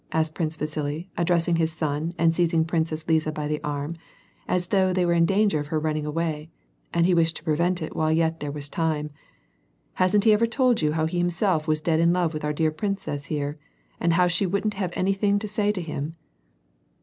asked Prince Viliiili, ad dressing his son and seizing Princess Liza by the arm, as though there were danger of her running away, and he wished to prevent it while yet there was time, " liasn't lie ever told you how he himself was dead in love with our dear princess here, and how she wouldn't have anything to say to him